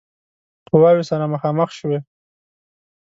قواوې سره مخامخ شوې.